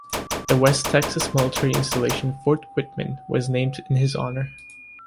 The west Texas military installation Fort Quitman was named in his honor.